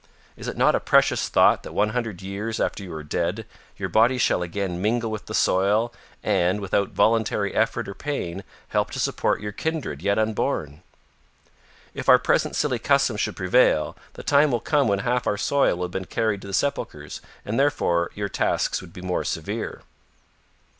Is it not a precious thought that one hundred years after you are dead, your bodies shall again mingle with the soil and, without voluntary effort or pain, help to support your kindred yet unborn? "If our present silly customs should prevail, the time will come when half our soil will have been carried to the sepulchers, and therefore your tasks would be more severe."